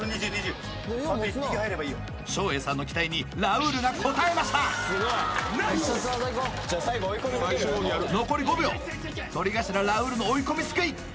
照英さんの期待にラウールが応えました残り５秒とり頭ラウールの追い込みすくい